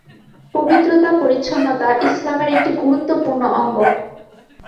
পবিত্রতা-পরিচ্ছন্নতা ইসলামের একটি গুরুত্বপূর্ণ অঙ্গ।